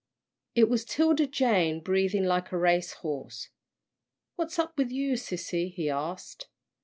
It was 'Tilda Jane, breathing like a race horse. "What's up with you, sissy?" he asked.